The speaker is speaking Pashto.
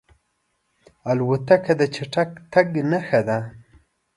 الوتکه د چټک تګ نښه ده.